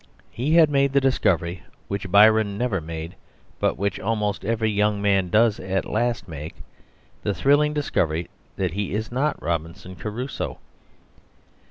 He had made the discovery which Byron never made, but which almost every young man does at last make the thrilling discovery that he is not Robinson Crusoe.